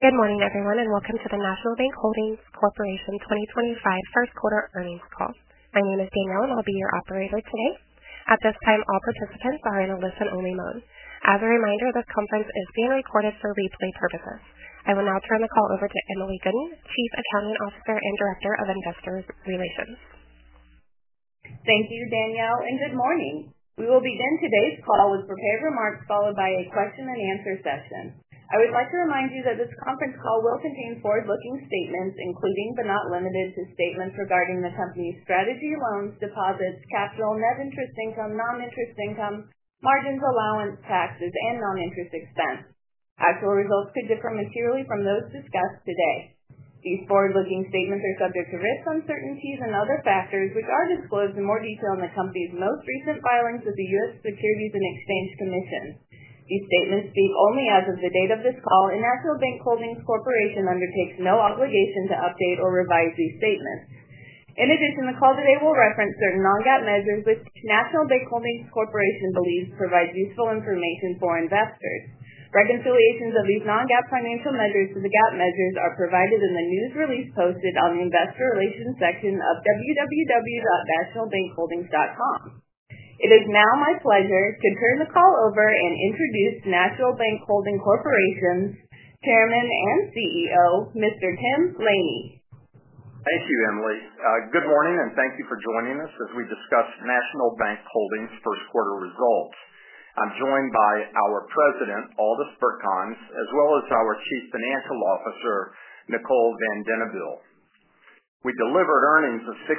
Good morning, everyone, and welcome to the National Bank Holdings Corporation 2025 First Quarter Earnings Call. My name is Danielle, and I'll be your operator today. At this time, all participants are in a listen-only mode. As a reminder, this conference is being recorded for replay purposes. I will now turn the call over to Emily Gooden, Chief Accounting Officer and Director of Investor Relations. Thank you, Danielle, and good morning. We will begin today's call with prepared remarks followed by a question-and-answer session. I would like to remind you that this conference call will contain forward-looking statements, including, but not limited to, statements regarding the company's strategy, loans, deposits, capital, net interest income, non-interest income, margins, allowance, taxes, and non-interest expense. Actual results could differ materially from those discussed today. These forward-looking statements are subject to risk uncertainties and other factors, which are disclosed in more detail in the company's most recent filings with the U.S. Securities and Exchange Commission. These statements speak only as of the date of this call, and National Bank Holdings Corporation undertakes no obligation to update or revise these statements. In addition, the call today will reference certain non-GAAP measures which National Bank Holdings Corporation believes provide useful information for investors. Reconciliations of these non-GAAP financial measures to the GAAP measures are provided in the news release posted on the Investor Relations section of www.nationalbankholdings.com. It is now my pleasure to turn the call over and introduce National Bank Holdings Corporation's Chairman and CEO, Mr. Tim Laney. Thank you, Emily. Good morning, and thank you for joining us as we discuss National Bank Holdings' first quarter results. I'm joined by our President, Aldis Birkans, as well as our Chief Financial Officer, Nicole Van Denneville. We delivered earnings of $0.63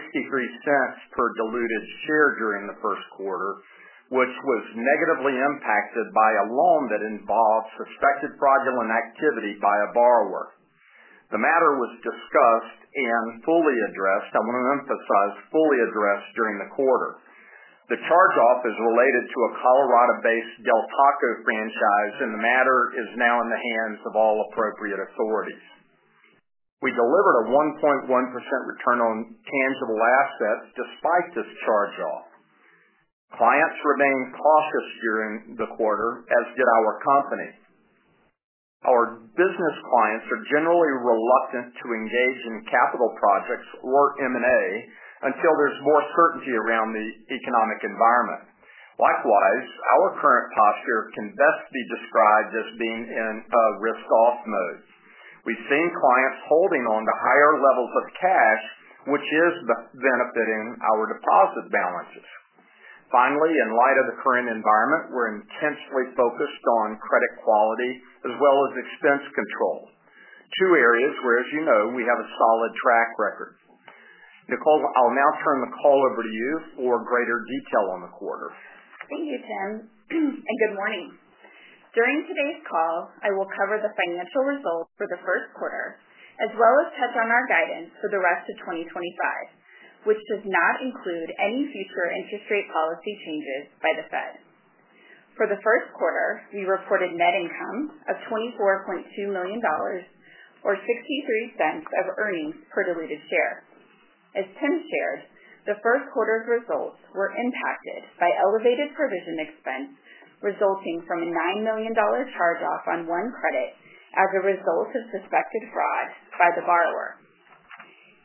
per diluted share during the first quarter, which was negatively impacted by a loan that involved suspected fraudulent activity by a borrower. The matter was discussed and fully addressed, and I want to emphasize fully addressed, during the quarter. The charge-off is related to a Colorado-based Del Taco franchise, and the matter is now in the hands of all appropriate authorities. We delivered a 1.1% return on tangible assets despite this charge-off. Clients remain cautious during the quarter, as did our company. Our business clients are generally reluctant to engage in capital projects or M&A until there's more certainty around the economic environment. Likewise, our current posture can best be described as being in a risk-off mode. We've seen clients holding on to higher levels of cash, which is benefiting our deposit balances. Finally, in light of the current environment, we're intensely focused on credit quality as well as expense control, two areas where, as you know, we have a solid track record. Nicole, I'll now turn the call over to you for greater detail on the quarter. Thank you, Tim, and good morning. During today's call, I will cover the financial results for the first quarter, as well as touch on our guidance for the rest of 2025, which does not include any future interest rate policy changes by the Fed. For the first quarter, we reported net income of $24.2 million or $0.63 of earnings per diluted share. As Tim shared, the first quarter's results were impacted by elevated provision expense resulting from a $9 million charge-off on one credit as a result of suspected fraud by the borrower.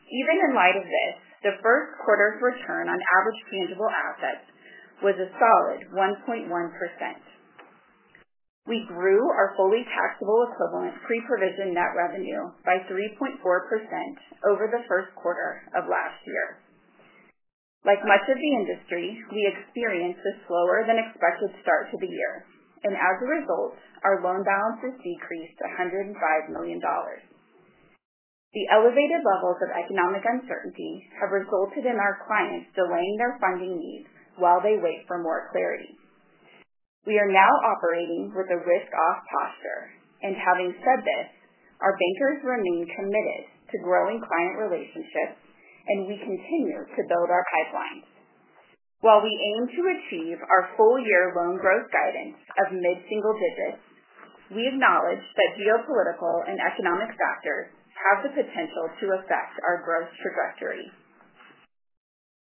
Even in light of this, the first quarter's return on average tangible assets was a solid 1.1%. We grew our fully taxable equivalent pre-provision net revenue by 3.4% over the first quarter of last year. Like much of the industry, we experienced a slower-than-expected start to the year, and as a result, our loan balance has decreased by $105 million. The elevated levels of economic uncertainty have resulted in our clients delaying their funding needs while they wait for more clarity. We are now operating with a risk-off posture, and having said this, our bankers remain committed to growing client relationships, and we continue to build our pipelines. While we aim to achieve our full-year loan growth guidance of mid-single digits, we acknowledge that geopolitical and economic factors have the potential to affect our growth trajectory.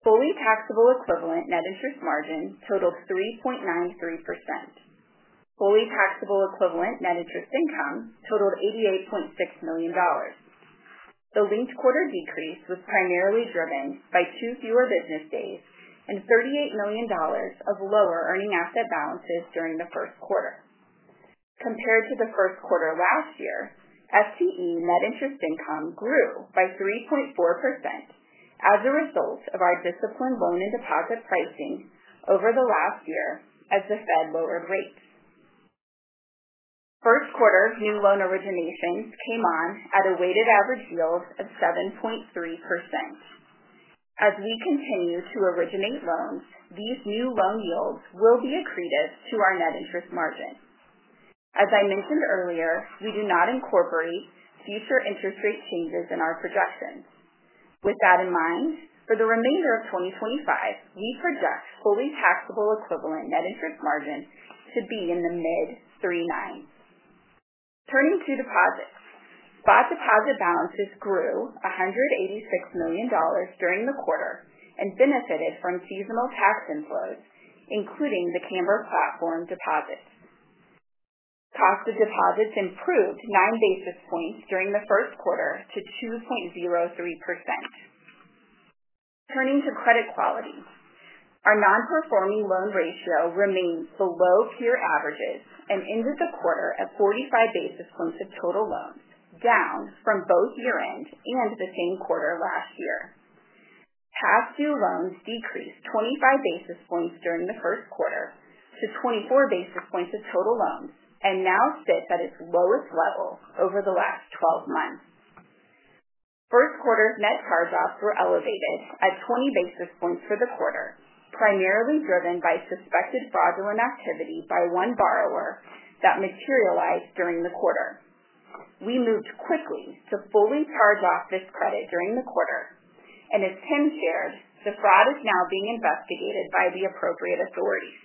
Fully taxable equivalent net interest margin totaled 3.93%. Fully taxable equivalent net interest income totaled $88.6 million. The linked quarter decrease was primarily driven by two fewer business days and $38 million of lower earning asset balances during the first quarter. Compared to the first quarter last year, FTE net interest income grew by 3.4% as a result of our disciplined loan and deposit pricing over the last year as the Fed lowered rates. First quarter new loan originations came on at a weighted average yield of 7.3%. As we continue to originate loans, these new loan yields will be accretive to our net interest margin. As I mentioned earlier, we do not incorporate future interest rate changes in our projections. With that in mind, for the remainder of 2025, we project fully taxable equivalent net interest margin to be in the mid-3.90s Turning to deposits, spot deposit balances grew $186 million during the quarter and benefited from seasonal tax inflows, including the Cambr platform deposits. Cost of deposits improved nine basis points during the first quarter to 2.03%. Turning to credit quality, our non-performing loan ratio remained below peer averages and ended the quarter at 45 basis points of total loans, down from both year-end and the same quarter last year. Past due loans decreased 25 basis points during the first quarter to 24 basis points of total loans and now sit at its lowest level over the last 12 months. First quarter's net charge-offs were elevated at 20 basis points for the quarter, primarily driven by suspected fraudulent activity by one borrower that materialized during the quarter. We moved quickly to fully charge off this credit during the quarter, and as Tim shared, the fraud is now being investigated by the appropriate authorities.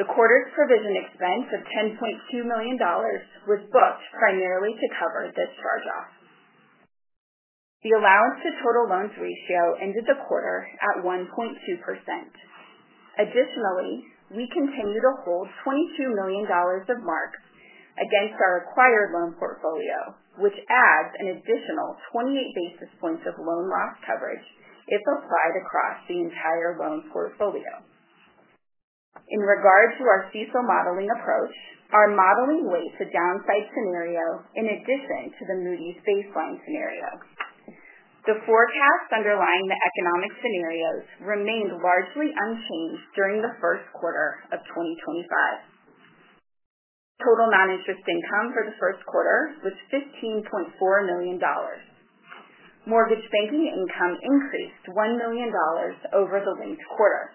The quarter's provision expense of $10.2 million was booked primarily to cover this charge-off. The allowance to total loans ratio ended the quarter at 1.2%. Additionally, we continue to hold $22 million of marks against our acquired loan portfolio, which adds an additional 28 basis points of loan loss coverage if applied across the entire loan portfolio. In regard to our CECL modeling approach, our modeling weighs a downside scenario in addition to the Moody's baseline scenario. The forecasts underlying the economic scenarios remained largely unchanged during the first quarter of 2025. Total non-interest income for the first quarter was $15.4 million. Mortgage banking income increased $1 million over the linked quarter.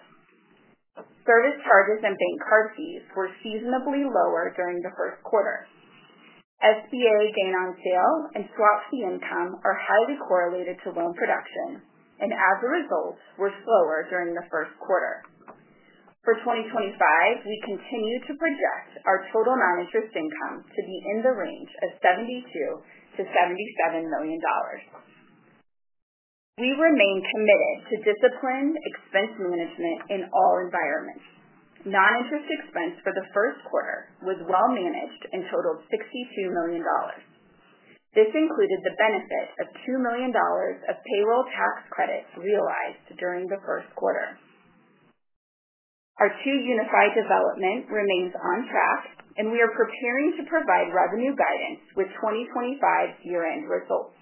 Service charges and bank card fees were seasonably lower during the first quarter. SBA gain on sale and swap fee income are highly correlated to loan production, and as a result, were slower during the first quarter. For 2025, we continue to project our total non-interest income to be in the range of $72 million-$77 million. We remain committed to disciplined expense management in all environments. Non-interest expense for the first quarter was well managed and totaled $62 million. This included the benefit of $2 million of payroll tax credits realized during the first quarter. Our 2UniFi development remains on track, and we are preparing to provide revenue guidance with 2025 year-end results.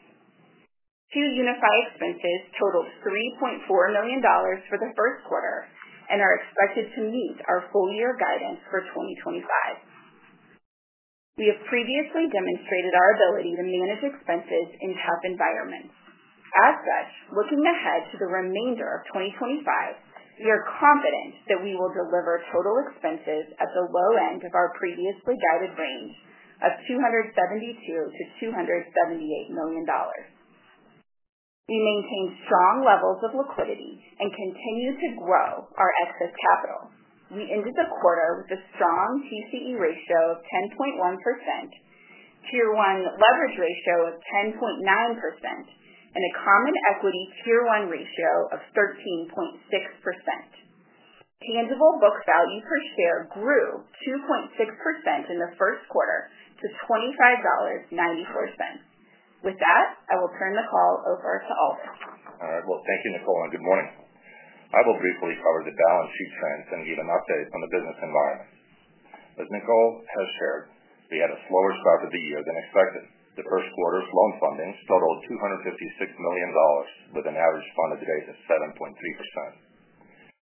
2UniFi expenses totaled $3.4 million for the first quarter and are expected to meet our full-year guidance for 2025. We have previously demonstrated our ability to manage expenses in tough environments. As such, looking ahead to the remainder of 2025, we are confident that we will deliver total expenses at the low end of our previously guided range of $272 million-$278 million. We maintain strong levels of liquidity and continue to grow our excess capital. We ended the quarter with a strong TCE ratio of 10.1%, tier one leverage ratio of 10.9%, and a common equity tier one ratio of 13.6%. Tangible book value per share grew 2.6% in the first quarter to $25.94. With that, I will turn the call over to Aldis. All right. Thank you, Nicole, and good morning. I will briefly cover the balance sheet trends and give an update on the business environment. As Nicole has shared, we had a slower start to the year than expected. The first quarter's loan funding totaled $256 million, with an average funded rate of 7.3%.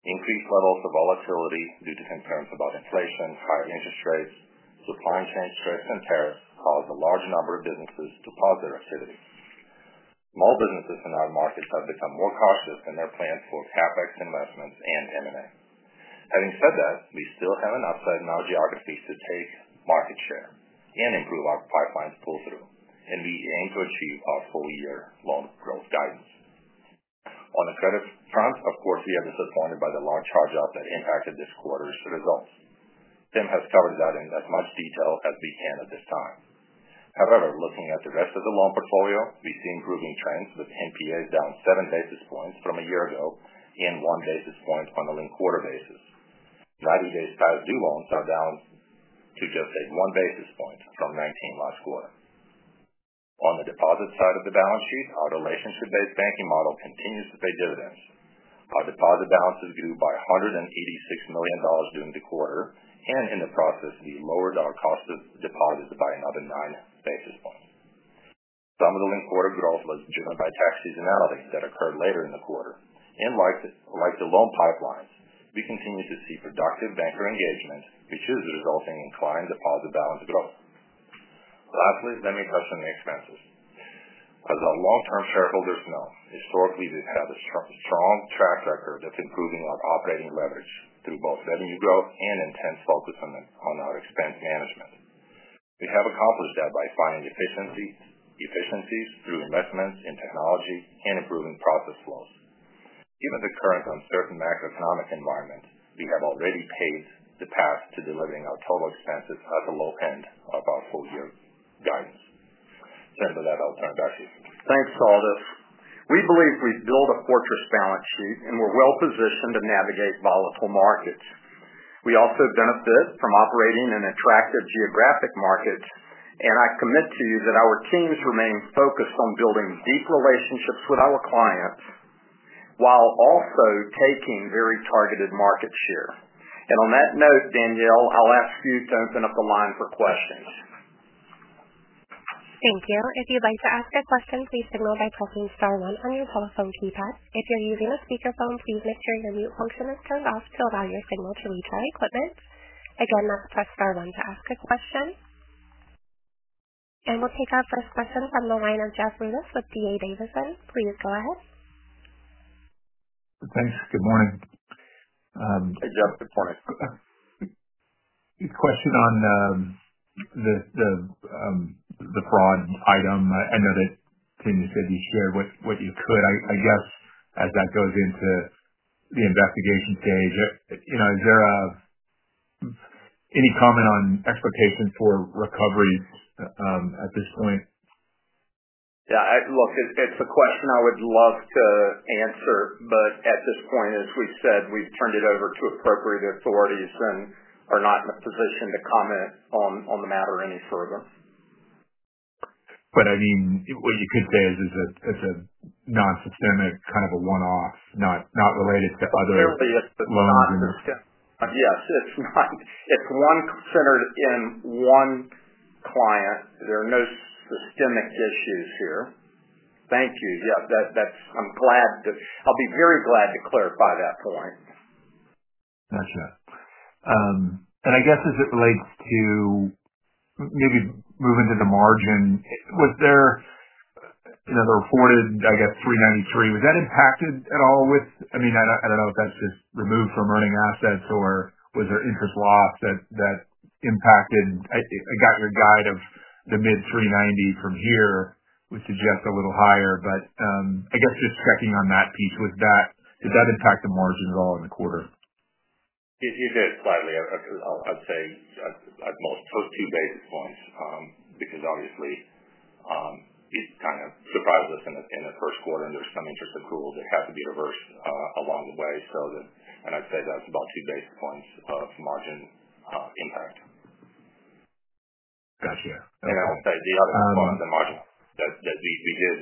Increased levels of volatility due to concerns about inflation, higher interest rates, supply chain stress, and tariffs caused a large number of businesses to pause their activity. Small businesses in our markets have become more cautious in their plans for CapEx investments and M&A. Having said that, we still have an upside in our geographies to take market share and improve our pipeline's pull-through, and we aim to achieve our full-year loan growth guidance. On the credit front, of course, we are disappointed by the large charge-off that impacted this quarter's results. Tim has covered that in as much detail as we can at this time. However, looking at the rest of the loan portfolio, we see improving trends with NPAs down seven basis points from a year ago and one basis point on a linked quarter basis. 90-day past due loans are down to just one basis point from 19 last quarter. On the deposit side of the balance sheet, our relationship-based banking model continues to pay dividends. Our deposit balances grew by $186 million during the quarter, and in the process, we lowered our cost of deposits by another nine basis points. Some of the linked quarter growth was driven by tax seasonality that occurred later in the quarter. Like the loan pipelines, we continue to see productive banker engagement, which is resulting in client deposit balance growth. Lastly, let me touch on the expenses. As our long-term shareholders know, historically, we've had a strong track record of improving our operating leverage through both revenue growth and intense focus on our expense management. We have accomplished that by finding efficiencies through investments in technology and improving process flows. Given the current uncertain macroeconomic environment, we have already paved the path to delivering our total expenses at the low end of our full-year guidance. End of that, I'll turn it back to you. Thanks, Aldis. We believe we build a fortress balance sheet, and we're well positioned to navigate volatile markets. We also benefit from operating in attractive geographic markets, and I commit to you that our teams remain focused on building deep relationships with our clients while also taking very targeted market share. On that note, Danielle, I'll ask you to open up the line for questions. Thank you. If you'd like to ask a question, please signal by pressing star one on your telephone keypad. If you're using a speakerphone, please make sure your mute function is turned off to allow your signal to reach our equipment. Again, that's press star one to ask a question. We will take our first question from the line of Jeff Rulis with D.A. Davidson. Please go ahead. Thanks. Good morning. Hey, Jeff. Good morning. Question on the fraud item. I know that, Tim, you said you shared what you could. I guess as that goes into the investigation stage, is there any comment on expectations for recovery at this point? Yeah. Look, it's a question I would love to answer, but at this point, as we said, we've turned it over to appropriate authorities and are not in a position to comment on the matter any further. I mean, what you could say is it's a non-systemic kind of a one-off, not related to other loan investments. Certainly, it's not systemic. Yes, it's one centered in one client. There are no systemic issues here. Thank you. Yeah, I'm glad to—I'll be very glad to clarify that point. Gotcha. I guess as it relates to maybe moving to the margin, was there another reported, I guess, 3.93%? Was that impacted at all with—I mean, I do not know if that is just removed from earning assets, or was there interest loss that impacted? I got your guide of the mid-3.90% from here, which suggests a little higher, but I guess just checking on that piece, did that impact the margins at all in the quarter? It did slightly. I'd say at most two basis points because, obviously, it kind of surprised us in the first quarter, and there was some interest accrual that had to be reversed along the way. I'd say that's about two basis points of margin impact. Gotcha. I'll say the other part of the margin that we did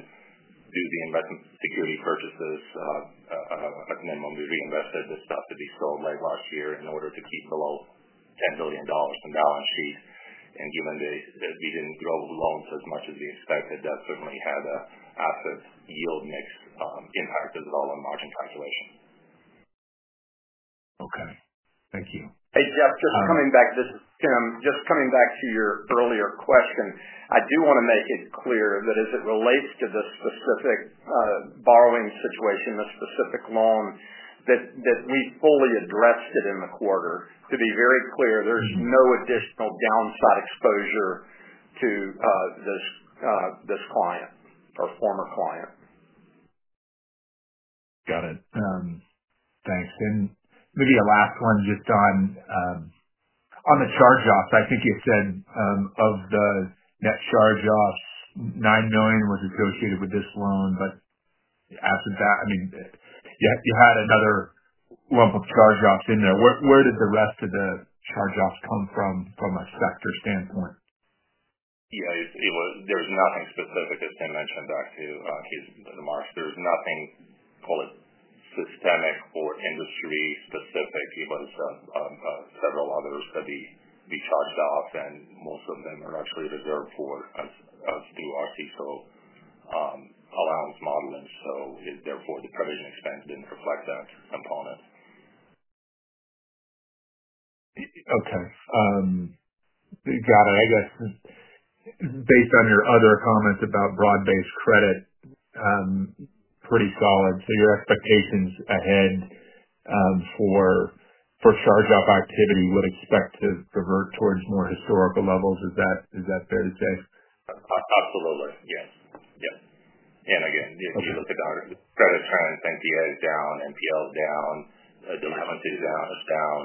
do the investment security purchases at minimum. We reinvested the stuff that we sold late last year in order to keep below $10 billion on balance sheet. Given that we didn't grow loans as much as we expected, that certainly had an asset yield mix impact as well on margin calculation. Okay. Thank you. Hey, Jeff, just coming back to this, Tim, just coming back to your earlier question, I do want to make it clear that as it relates to the specific borrowing situation, the specific loan, that we fully addressed it in the quarter. To be very clear, there's no additional downside exposure to this client or former client. Got it. Thanks. Maybe a last one just on the charge-offs. I think you said of the net charge-offs, $9 million was associated with this loan, but after that, I mean, you had another lump of charge-offs in there. Where did the rest of the charge-offs come from from a sector standpoint? Yeah. There was nothing specific, as Tim mentioned back to remarks. There was nothing, call it, systemic or industry specific. It was several others that we charged off, and most of them are actually reserved for us through our CECL allowance modeling. So therefore, the provision expense did not reflect that component. Okay. Got it. I guess based on your other comments about broad-based credit, pretty solid. Your expectations ahead for charge-off activity would expect to revert towards more historical levels. Is that fair to say? Absolutely. Yes. Yep. If you look at our credit trends, NPAs down, NPLs down, delinquencies down,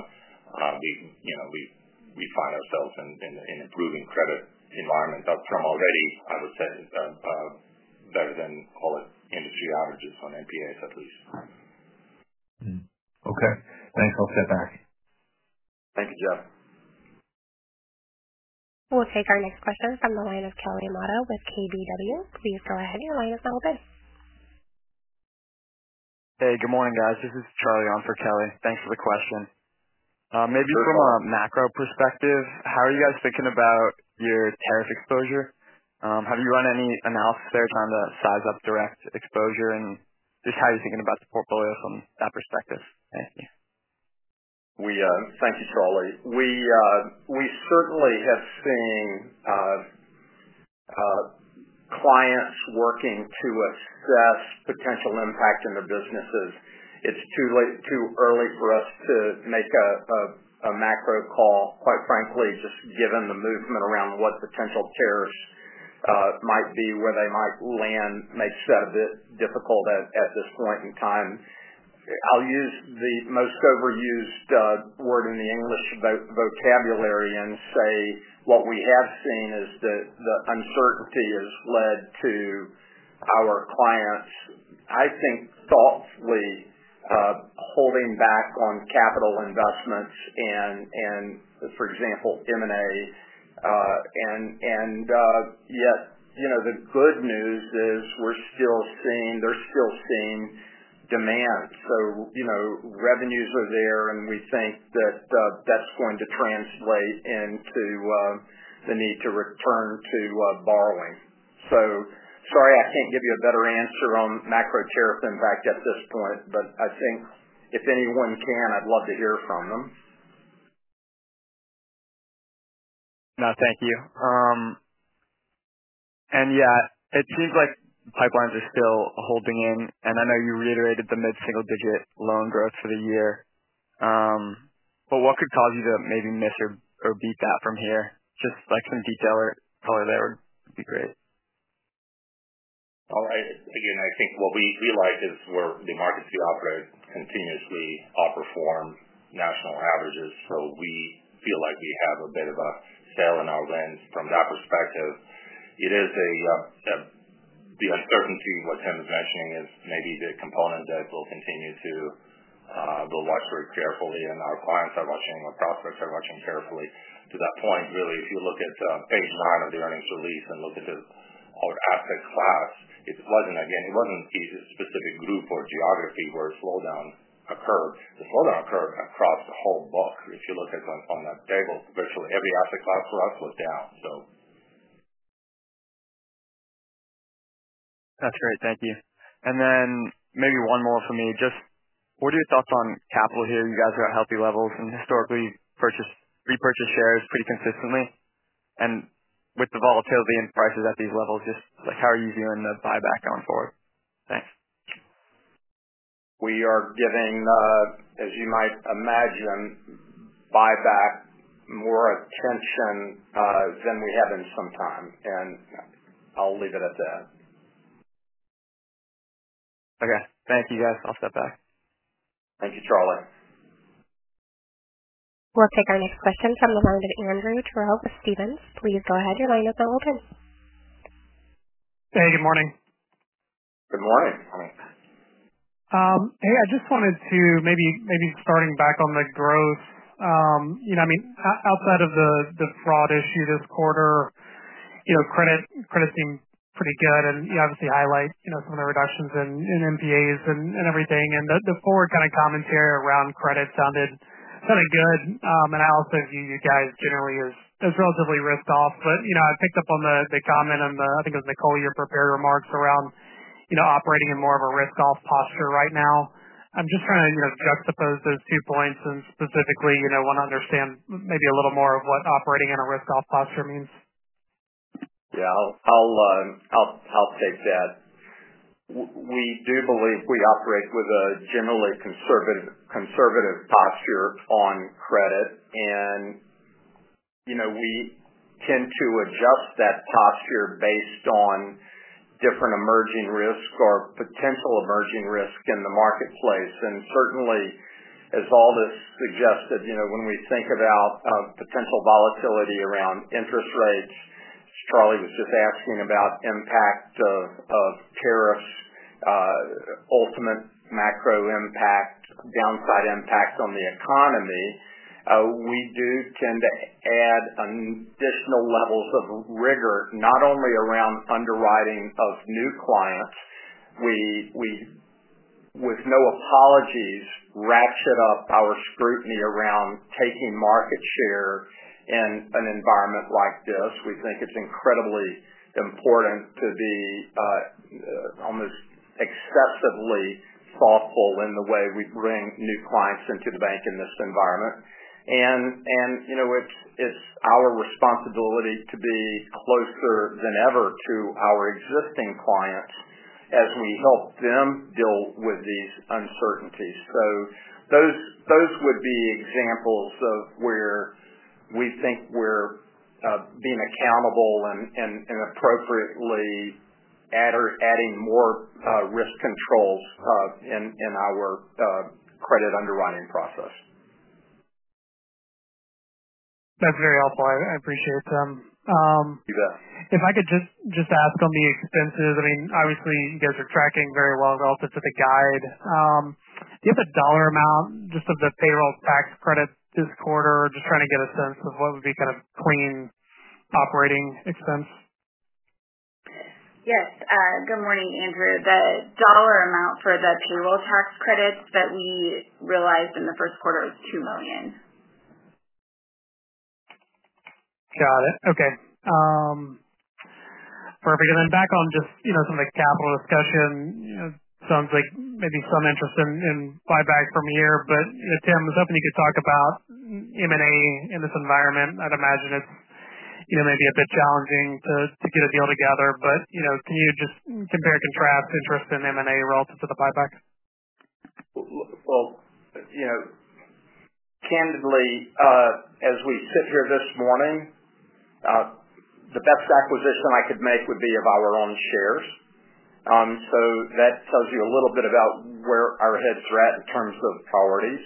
we find ourselves in an improving credit environment up from already, I would say, better than, call it, industry averages on NPAs, at least. Okay. Thanks. I'll step back. Thank you, Jeff. We'll take our next question from the line of Kelly Motta with KBW. Please go ahead and your line is now open. Hey, good morning, guys. This is Charlie on for Kelly. Thanks for the question. Maybe from a macro perspective, how are you guys thinking about your tariff exposure? Have you run any analysis there trying to size up direct exposure and just how you're thinking about the portfolio from that perspective? Thank you. Thank you, Charlie. We certainly have seen clients working to assess potential impact in their businesses. It's too early for us to make a macro call, quite frankly, just given the movement around what potential tariffs might be, where they might land, makes that a bit difficult at this point in time. I will use the most overused word in the English vocabulary and say what we have seen is that the uncertainty has led to our clients, I think, thoughtfully holding back on capital investments in, for example, M&A. Yet, the good news is we're still seeing—there's still seen demand. Revenues are there, and we think that that's going to translate into the need to return to borrowing. Sorry, I can't give you a better answer on macro tariff impact at this point, but I think if anyone can, I'd love to hear from them. No, thank you. Yeah, it seems like pipelines are still holding in, and I know you reiterated the mid-single-digit loan growth for the year, but what could cause you to maybe miss or beat that from here? Just some detail or color there would be great. All right. Again, I think what we like is where the markets we operate continuously outperform national averages, so we feel like we have a bit of a sale in our lens from that perspective. It is the uncertainty, what Tim is mentioning, is maybe the component that we'll continue to—we'll watch very carefully, and our clients are watching, our prospects are watching carefully. To that point, really, if you look at page nine of the earnings release and look at our asset class, it wasn't—again, it wasn't a specific group or geography where a slowdown occurred. The slowdown occurred across the whole book. If you look at on that table, virtually every asset class for us was down, so. That's great. Thank you. Maybe one more from me. Just what are your thoughts on capital here? You guys are at healthy levels, and historically, you've repurchased shares pretty consistently. With the volatility in prices at these levels, just how are you viewing the buyback going forward? Thanks. We are giving, as you might imagine, buyback more attention than we have in some time, and I'll leave it at that. Okay. Thank you, guys. I'll step back. Thank you, Charlie. We'll take our next question from the line of Andrew Terrell with Stephens. Please go ahead. Your line is now open. Hey, good morning. Good morning. Hey, I just wanted to maybe starting back on the growth. I mean, outside of the fraud issue this quarter, credit seemed pretty good, and you obviously highlight some of the reductions in NPAs and everything. The forward kind of commentary around credit sounded good. I also view you guys generally as relatively risk-off, but I picked up on the comment, and I think it was Nicole you prepared remarks around operating in more of a risk-off posture right now. I'm just trying to juxtapose those two points and specifically want to understand maybe a little more of what operating in a risk-off posture means. Yeah, I'll take that. We do believe we operate with a generally conservative posture on credit, and we tend to adjust that posture based on different emerging risk or potential emerging risk in the marketplace. Certainly, as Aldis suggested, when we think about potential volatility around interest rates, Charlie was just asking about impact of tariffs, ultimate macro impact, downside impact on the economy, we do tend to add additional levels of rigor, not only around underwriting of new clients. We, with no apologies, ratchet up our scrutiny around taking market share in an environment like this. We think it's incredibly important to be almost excessively thoughtful in the way we bring new clients into the bank in this environment. It is our responsibility to be closer than ever to our existing clients as we help them deal with these uncertainties. Those would be examples of where we think we're being accountable and appropriately adding more risk controls in our credit underwriting process. That's very helpful. I appreciate them. You bet. If I could just ask on the expenses, I mean, obviously, you guys are tracking very well relative to the guide. Do you have a dollar amount just of the payroll tax credit this quarter? Just trying to get a sense of what would be kind of clean operating expense. Yes. Good morning, Andrew. The dollar amount for the payroll tax credit that we realized in the first quarter was $2 million. Got it. Okay. Perfect. Back on just some of the capital discussion, sounds like maybe some interest in buyback from here, but Tim, if something you could talk about M&A in this environment, I'd imagine it's maybe a bit challenging to get a deal together, but can you just compare and contrast interest in M&A relative to the buyback? Candidly, as we sit here this morning, the best acquisition I could make would be of our own shares. That tells you a little bit about where our heads are at in terms of priorities.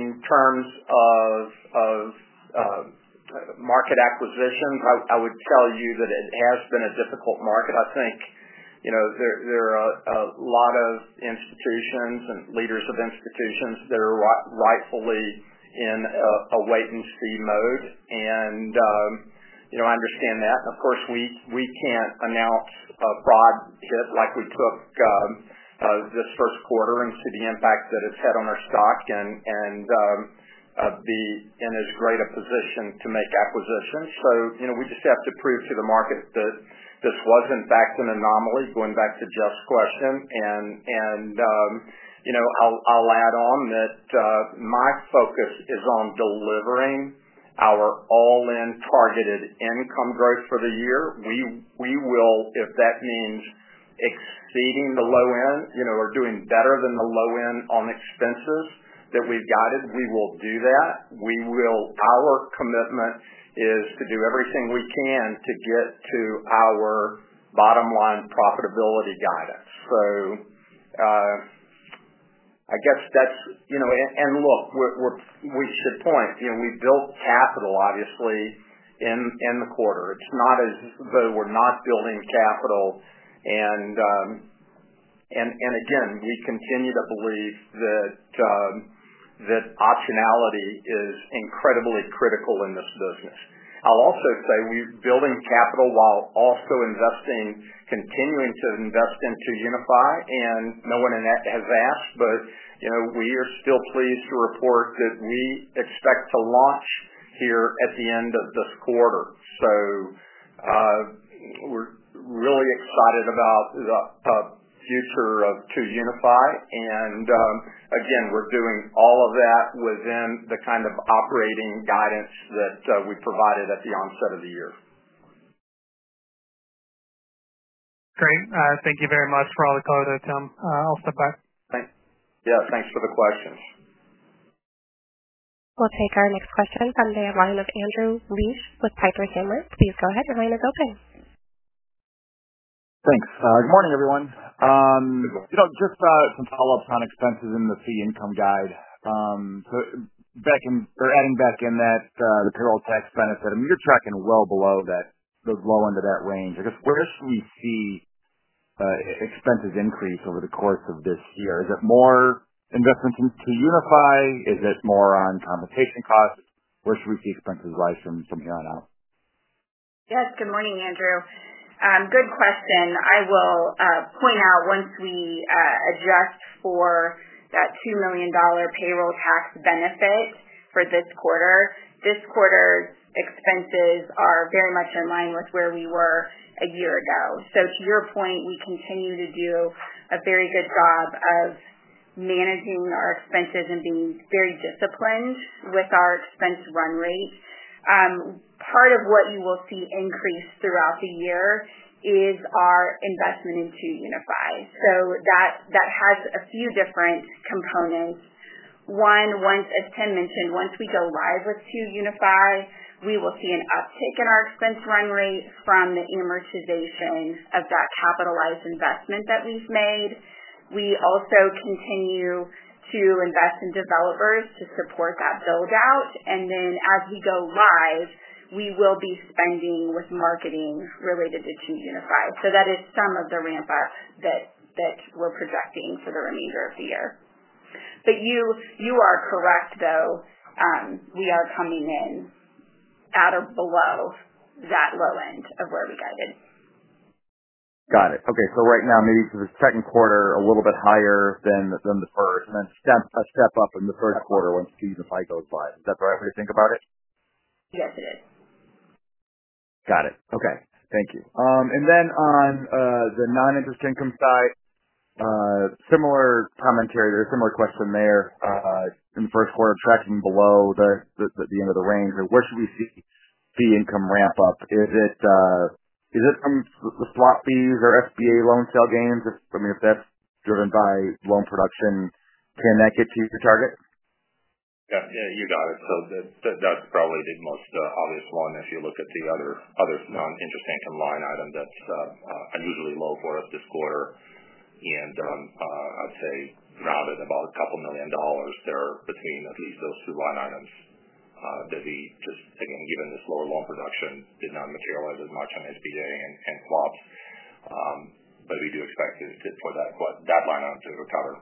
In terms of market acquisitions, I would tell you that it has been a difficult market. I think there are a lot of institutions and leaders of institutions that are rightfully in a wait-and-see mode, and I understand that. Of course, we can't announce a broad hit like we took this first quarter and see the impact that it's had on our stock and be in as great a position to make acquisitions. We just have to prove to the market that this was, in fact, an anomaly going back to Jeff's question. I'll add on that my focus is on delivering our all-in targeted income growth for the year. We will, if that means exceeding the low end or doing better than the low end on expenses that we've guided, we will do that. Our commitment is to do everything we can to get to our bottom-line profitability guidance. I guess that's—and look, we should point, we built capital, obviously, in the quarter. It's not as though we're not building capital. Again, we continue to believe that optionality is incredibly critical in this business. I'll also say we're building capital while also investing, continuing to invest into 2UniFi, and no one has asked, but we are still pleased to report that we expect to launch here at the end of this quarter. We're really excited about the future of 2UniFi. Again, we're doing all of that within the kind of operating guidance that we provided at the onset of the year. Great. Thank you very much for all the clarity, Tim. I'll step back. Yeah. Thanks for the questions. We'll take our next question from the line of Andrew Liesch with Piper Sandler. Please go ahead. Your line is open. Thanks. Good morning, everyone. Just some follow-ups on expenses in the fee income guide. Adding back in that payroll tax benefit, I mean, you're tracking well below the low end of that range. I guess where should we see expenses increase over the course of this year? Is it more investments into 2UniFi? Is it more on compensation costs? Where should we see expenses rise from here on out? Yes. Good morning, Andrew. Good question. I will point out once we adjust for that $2 million payroll tax benefit for this quarter, this quarter's expenses are very much in line with where we were a year ago. To your point, we continue to do a very good job of managing our expenses and being very disciplined with our expense run rate. Part of what you will see increase throughout the year is our investment into 2UniFi. That has a few different components. One, as Tim mentioned, once we go live with 2UniFi, we will see an uptick in our expense run rate from the amortization of that capitalized investment that we've made. We also continue to invest in developers to support that build-out. As we go live, we will be spending with marketing related to 2UniFi. That is some of the ramp-up that we're projecting for the remainder of the year. You are correct, though. We are coming in at or below that low end of where we guided. Got it. Okay. Right now, maybe for the second quarter, a little bit higher than the first, and then a step up in the third quarter once 2UniFi goes live. Is that the right way to think about it? Yes, it is. Got it. Okay. Thank you. On the non-interest income side, similar commentary, there's a similar question there in the first quarter, tracking below the end of the range. Where should we see fee income ramp up? Is it from the swap fees or SBA loan sale gains? I mean, if that's driven by loan production, can that get to your target? Yeah. You got it. That's probably the most obvious one if you look at the other non-interest income line item that's unusually low for us this quarter. I'd say rounded about a couple million dollars there between at least those two line items that we just, again, given this lower loan production, did not materialize as much on SBA and swaps. We do expect for that line item to recover.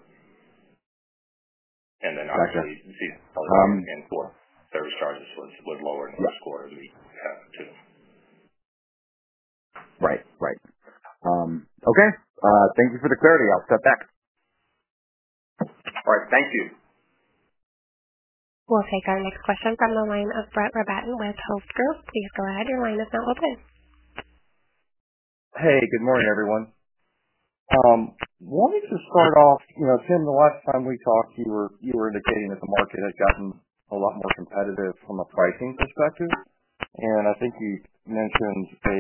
Obviously, see the sales and for service charges was lower in the first quarter than we expected to. Right. Right. Okay. Thank you for the clarity. I'll step back. All right. Thank you. We'll take our next question from the line of Brett Rabatin with Hovde Group. Please go ahead. Your line is now open. Hey. Good morning, everyone. Wanted to start off, Tim, the last time we talked, you were indicating that the market had gotten a lot more competitive from a pricing perspective. I think you mentioned a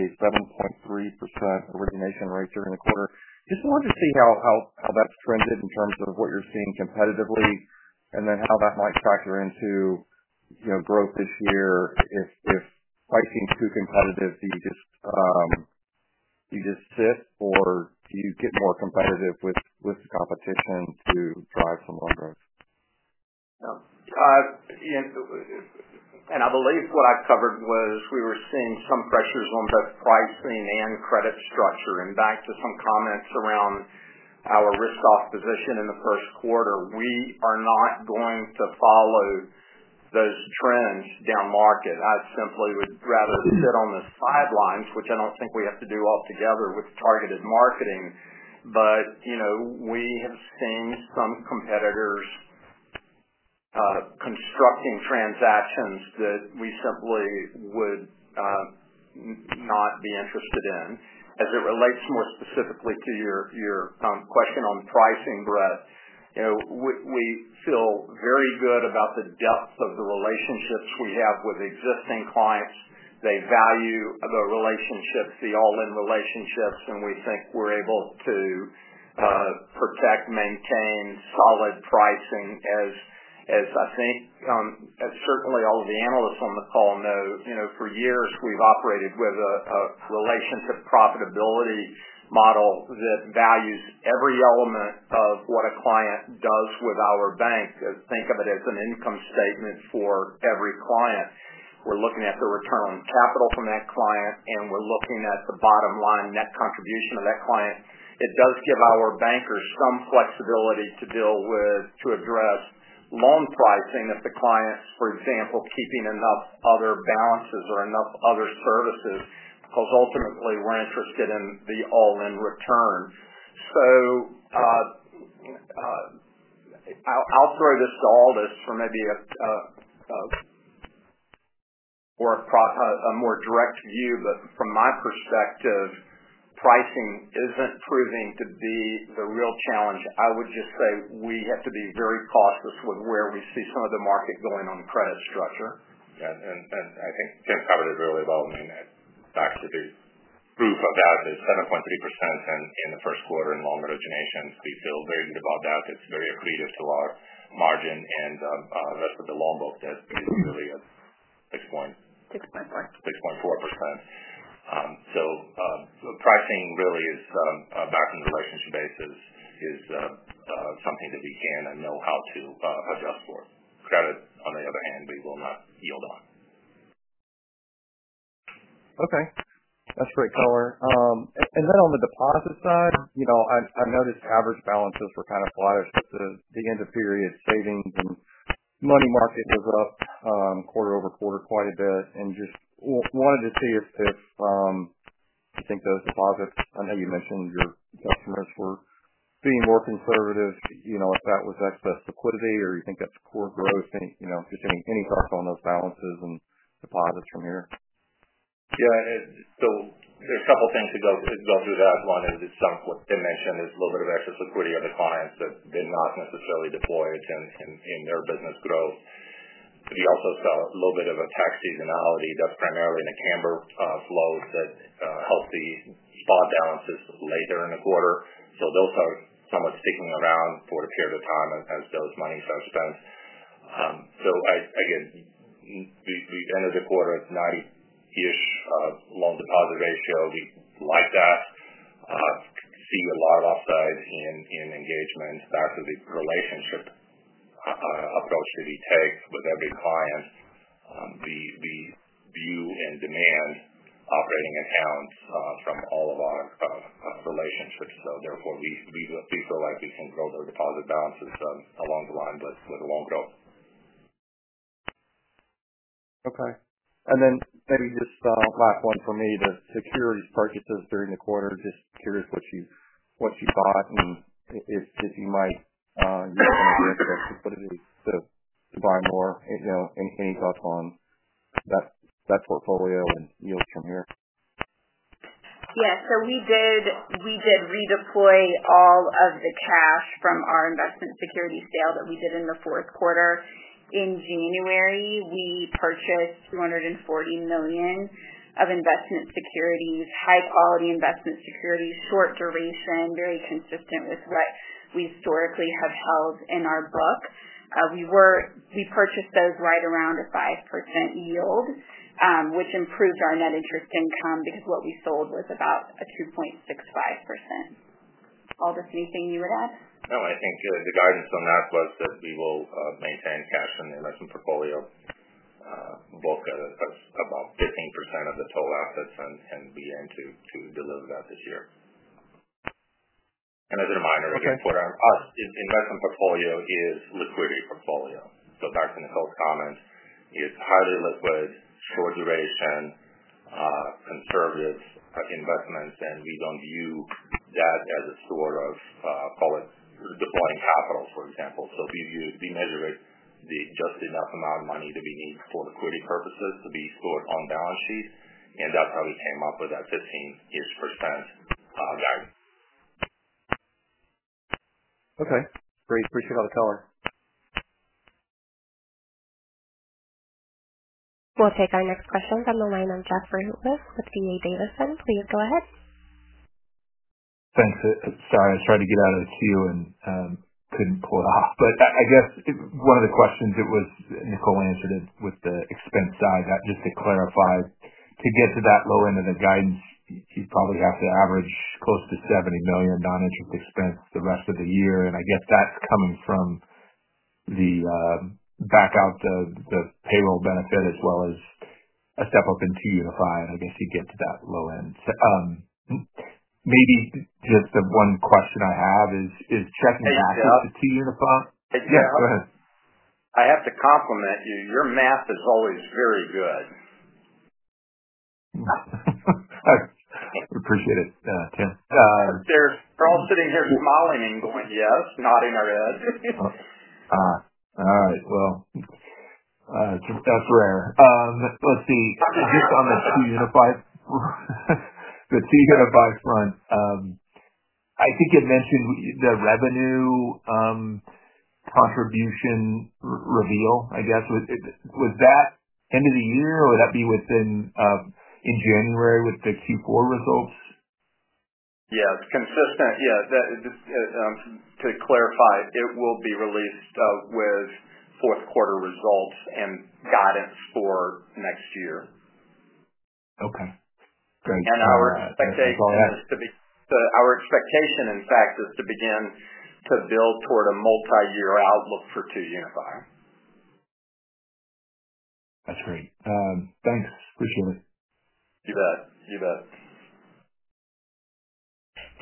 7.3% origination rate during the quarter. Just wanted to see how that's trended in terms of what you're seeing competitively and then how that might factor into growth this year. If pricing's too competitive, do you just sit or do you get more competitive with the competition to drive some loan growth? I believe what I covered was we were seeing some pressures on both pricing and credit structure. Back to some comments around our risk-off position in the first quarter, we are not going to follow those trends down market. I simply would rather sit on the sidelines, which I do not think we have to do altogether with targeted marketing. We have seen some competitors constructing transactions that we simply would not be interested in. As it relates more specifically to your question on pricing, Brett, we feel very good about the depth of the relationships we have with existing clients. They value the relationships, the all-in relationships, and we think we are able to protect, maintain solid pricing as I think certainly all of the analysts on the call know. For years, we've operated with a relationship profitability model that values every element of what a client does with our bank. Think of it as an income statement for every client. We're looking at the return on capital from that client, and we're looking at the bottom-line net contribution of that client. It does give our bankers some flexibility to deal with, to address loan pricing if the client's, for example, keeping enough other balances or enough other services because ultimately we're interested in the all-in return. I'll throw this to Aldis for maybe a more direct view, but from my perspective, pricing isn't proving to be the real challenge. I would just say we have to be very cautious with where we see some of the market going on credit structure. Yeah. I think Tim covered it really well. I mean, actually, the proof of that is 7.3% in the first quarter in loan origination. We feel very good about that. It's very accretive to our margin and the rest of the loan book that is really a 6. 6.4. 6.4%. Pricing really is backing the relationship base is something that we can and know how to adjust for. Credit, on the other hand, we will not yield on. Okay. That's great color. On the deposit side, I noticed average balances were kind of flattish at the end of period. Savings and money market was up quarter over quarter quite a bit. I just wanted to see if you think those deposits—I know you mentioned your customers were being more conservative—if that was excess liquidity or you think that's core growth. Just any thoughts on those balances and deposits from here? Yeah. There are a couple of things to go through with that. One is what Tim mentioned is a little bit of excess liquidity of the clients that they're not necessarily deploying in their business growth. We also saw a little bit of a tax seasonality that's primarily in the Cambr flow that helps the spot balances later in the quarter. Those are somewhat sticking around for a period of time as those monies are spent. Again, we ended the quarter at a 90-ish loan deposit ratio. We like that. See a lot of upside in engagement. Back to the relationship approach that we take with every client, we view and demand operating accounts from all of our relationships. Therefore, we feel like we can grow those deposit balances along the line with loan growth. Okay. Maybe just last one for me, the securities purchases during the quarter. Just curious what you bought and if you might use some of the interest to put it to buy more. Any thoughts on that portfolio and yields from here? Yeah. We did redeploy all of the cash from our investment security sale that we did in the fourth quarter. In January, we purchased $240 million of investment securities, high-quality investment securities, short duration, very consistent with what we historically have held in our book. We purchased those right around a 5% yield, which improved our net interest income because what we sold was about a 6.65%. Aldis, anything you would add? No. I think the guidance on that was that we will maintain cash in the investment portfolio, both about 15% of the total assets, and be in to deliver that this year. As a reminder, again, for us, investment portfolio is liquidity portfolio. Back to Nicole's comment, it is highly liquid, short duration, conservative investments, and we do not view that as a sort of, call it deploying capital, for example. We measure it as just enough amount of money that we need for liquidity purposes to be stored on balance sheet. That is how we came up with that 15%-ish guide. Okay. Great. Appreciate all the color. We'll take our next question from the line of Jeff Rulis with D.A. Davidson. Please go ahead. Thanks. Sorry. I was trying to get out of the queue and could not pull it off. I guess one of the questions that Nicole answered with the expense side, just to clarify, to get to that low end of the guidance, you probably have to average close to $70 million non-interest expense the rest of the year. I guess that is coming from the back out of the payroll benefit as well as a step up into 2UniFi. I guess you get to that low end. Maybe just the one question I have is checking back into 2UniFi. Yeah. Go ahead. I have to compliment you. Your math is always very good. Appreciate it, Tim. They're all sitting here smiling and going, "Yes, nodding our heads. All right. That's rare. Let's see. Just on the 2UniFi front, I think you mentioned the revenue contribution reveal, I guess. Was that end of the year or would that be within January with the Q4 results? Yeah. Yeah. To clarify, it will be released with fourth quarter results and guidance for next year. Okay. Great. Our expectation is to begin to build toward a multi-year outlook for 2UniFi. That's great. Thanks. Appreciate it. You bet. You bet.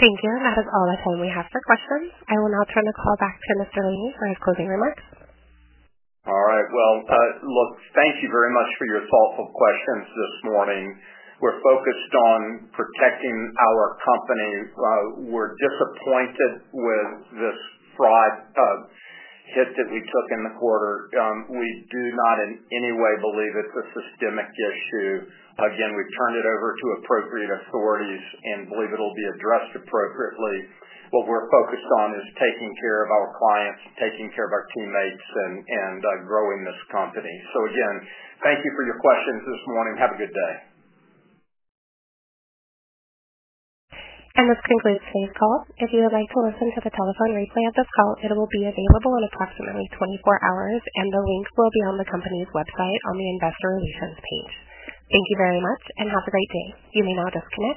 Thank you. That is all the time we have for questions. I will now turn the call back to Mr. Laney for his closing remarks. All right. Thank you very much for your thoughtful questions this morning. We're focused on protecting our company. We're disappointed with this fraud hit that we took in the quarter. We do not in any way believe it's a systemic issue. Again, we've turned it over to appropriate authorities and believe it'll be addressed appropriately. What we're focused on is taking care of our clients, taking care of our teammates, and growing this company. Thank you for your questions this morning. Have a good day. This concludes today's call. If you would like to listen to the telephone replay of this call, it will be available in approximately 24 hours, and the link will be on the company's website on the investor relations page. Thank you very much and have a great day. You may now disconnect.